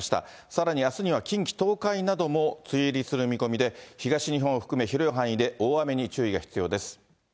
さらにあすには近畿、東海なども梅雨入りする見込みで、東日本を含め、広い範囲で大雨に注意が必要です。